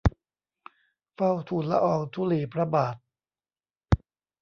เฝ้าทูลละอองธุลีพระบาท